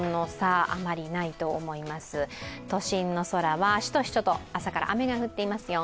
都心の空はしとしとと朝から雨が降ってますよ。